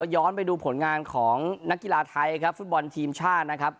ย้อนไปดูผลงานของนักกีฬาไทยครับฟุตบอลทีมชาตินะครับ